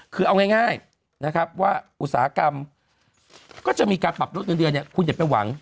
คือเอาง่ายนะครับว่าอุตสาหกรรมก็จะมีการปรับลดเงินเดือนเนี่ยคุณอย่าไปหวัง